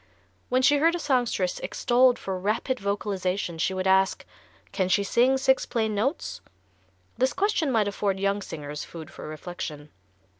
When she heard a songstress extolled for rapid vocalization she would ask: "Can she sing six plain notes?" This question might afford young singers food for reflection.